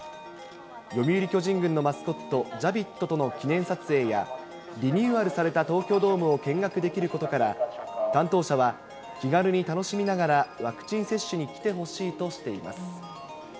読売巨人軍のマスコット、ジャビットとの記念撮影や、リニューアルされた東京ドームを見学できることから、担当者は、気軽に楽しみながらワクチン接種に来てほしいとしています。